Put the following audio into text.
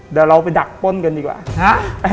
เดี๋ยวเราไปดักป้นกันดีกว่า